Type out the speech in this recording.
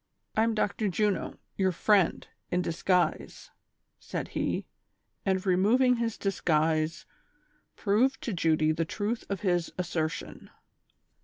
"I am Dr. Juno, your friend, in disguise," said he, and removing his disguise proved to Judy the truth of his assertion.